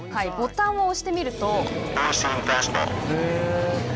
ボタンを押してみると。